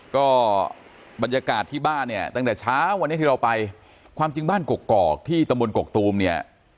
ก็บรรยากาศที่บ้านเนี่ยตั้งแต่เช้าวันนี้ที่เราไปความจริงบ้านกกอกที่ตำบลกกตูมเนี่ย